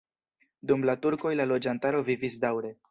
Dum la turkoj la loĝantaro vivis daŭre.